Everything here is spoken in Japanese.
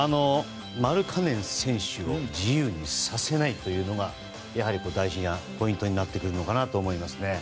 マルカネン選手を自由にさせないというのが大事なポイントになってくるのかなと思います。